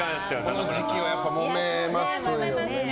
この時期はやっぱもめますよね。